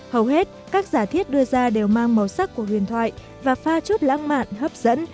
hầu hết các giả thiết đưa ra đều mang màu sắc của huyền thoại và pha chốt lãng mạn hấp dẫn